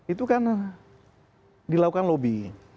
itu kan dilakukan lobby